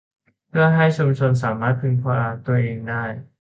เพื่อให้ชุมชนสามารถพึ่งพาตนเองได้